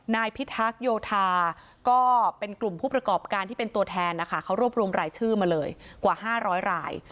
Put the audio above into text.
นายพิทักษ์โยธาก็เป็นกลุ่มผู้ประกอบการที่เป็นตัวแทนนะคะเขารวบรวมรายชื่อมาเลยกว่า๕๐๐ราย